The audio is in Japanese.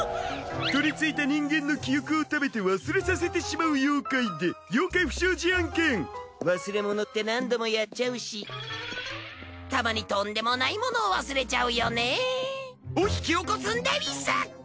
とりついた人間の記憶を食べて忘れさせてしまう妖怪で妖怪不祥事案件「忘れ物って何度もやっちゃうしたまにとんでもないものを忘れちゃうよね」を引き起こすんでうぃす！